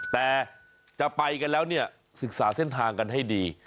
แต่จะไปกันแล้วเนี่ยศึกษาเส้นทางกันให้ดี